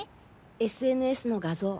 ＳＮＳの画像。